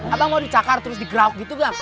abang mau dicakar terus digrauk gitu bang